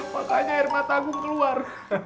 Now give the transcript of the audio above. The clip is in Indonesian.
makanya air mata agung keluar